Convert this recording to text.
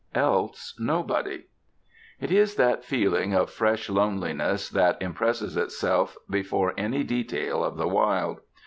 Else nobody. It is that feeling of fresh loneliness that impresses itself before any detail of the wild.